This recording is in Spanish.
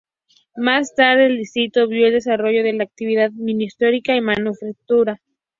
Más tarde, el distrito vio el desarrollo de la actividad minorista y manufacturera.